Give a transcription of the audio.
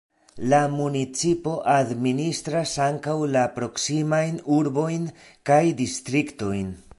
La municipo administras ankaŭ la proksimajn urbojn kaj distriktojn.